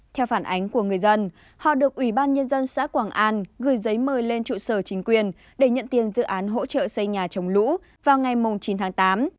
theo phản ánh của người dân họ được ủy ban nhân dân xã quảng an gửi giấy mời lên trụ sở chính quyền để nhận tiền dự án hỗ trợ xây nhà chống lũ vào ngày chín tháng tám